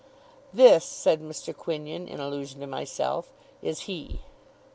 'This,' said Mr. Quinion, in allusion to myself, 'is he.